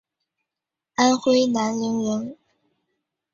安徽南陵人。